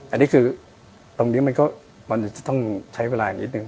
อันนี้คือตรงนี้มันก็มันจะต้องใช้เวลาอีกนิดนึง